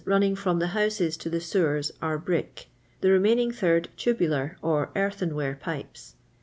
running from the houses to the sewers are brick ; the remaining third tubular, or earthenware pipes.